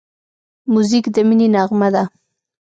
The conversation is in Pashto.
موزیک د مینې نغمه ده.